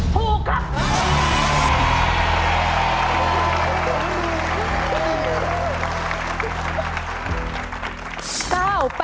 ถูกครับ